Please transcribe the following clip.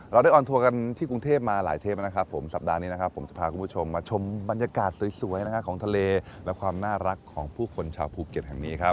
เราได้ออนทัวร์กันที่กรุงเทพมาหลายเทปนะครับผมสัปดาห์นี้นะครับผมจะพาคุณผู้ชมมาชมบรรยากาศสวยของทะเลและความน่ารักของผู้คนชาวภูเก็ตแห่งนี้ครับ